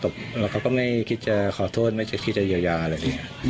แล้วเขาก็ไม่คิดจะขอโทษไม่คิดจะเยียวยาอะไรอย่างนี้